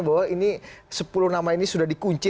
bahwa ini sepuluh nama ini sudah dikunci